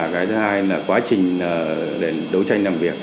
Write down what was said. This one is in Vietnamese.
cái thứ hai là quá trình để đấu tranh làm việc